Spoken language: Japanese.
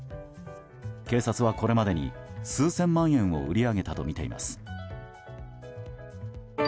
警察はこれまでに数千万円を売り上げたとみています。